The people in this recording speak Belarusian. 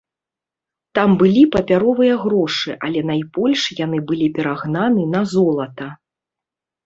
Там былі папяровыя грошы, але найбольш яны былі перагнаны на золата.